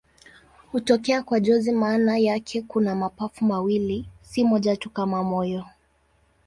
Hutokea kwa jozi maana yake kuna mapafu mawili, si moja tu kama moyo.